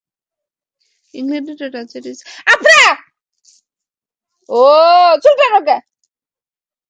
ইংল্যান্ডের রাজা Richard the থার্ডের চেহারা শনাক্ত করার জন্যও এমন কাজ হয়েছে।